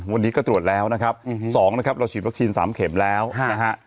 วันนี้ก็ตรวจแล้วนะครับ๒นะครับเราฉีดวัคซีน๓เข็มแล้วนะฮะ